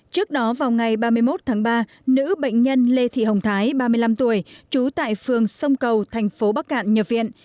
trước đó vào ngày ba mươi một tháng ba nữ bệnh nhân lê thị hồng thái ba mươi năm tuổi trú tại phường sông cầu thành phố bắc cạn nhập viện